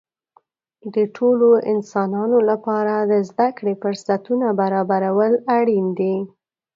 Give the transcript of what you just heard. د ټولو انسانانو لپاره د زده کړې فرصتونه برابرول اړین دي.